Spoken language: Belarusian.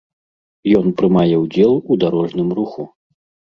Ён прымае ўдзел у дарожным руху.